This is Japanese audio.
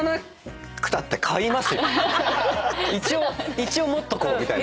一応持っとこうみたいな。